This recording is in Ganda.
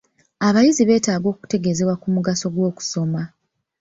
Abayizi beetaaga okutegeezebwa ku mugaso gw'okusoma.